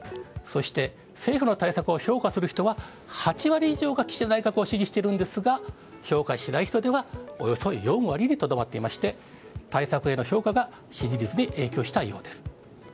そして政府の対策を評価する人は８割以上が岸田内閣を支持しているんですが、評価しない人ではおよそ４割にとどまっていまして、対策への評価が支持率に影響したようです。